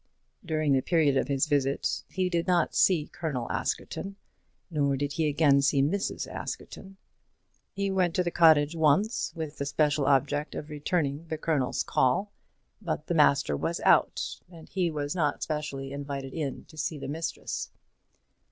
During the period of his visit he did not see Colonel Askerton, nor did he again see Mrs. Askerton. He went to the cottage once, with the special object of returning the Colonel's call; but the master was out, and he was not specially invited in to see the mistress.